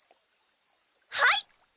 はい！